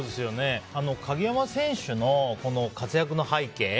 鍵山選手の活躍の背景